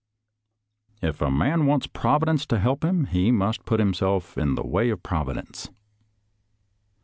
" If a man wants Providence to help him, he must put himself in the way of Providence.